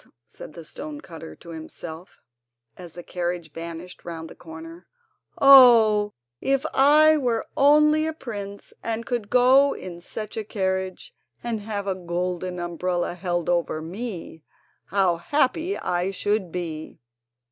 said the stone cutter to himself, as the carriage vanished round the corner. "Oh, if I were only a prince, and could go in such a carriage and have a golden umbrella held over me, how happy I should be!"